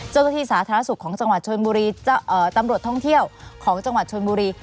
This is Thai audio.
สาธารณสุขของจังหวัดชนบุรีตำรวจท่องเที่ยวของจังหวัดชนบุรี